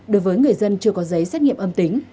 đối với người dân chưa có giấy xét nghiệm âm tính